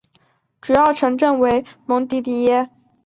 主要城镇为蒙迪迪耶。